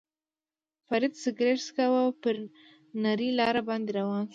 فرید سګرېټ څکاوه، پر نرۍ لار باندې روان شو.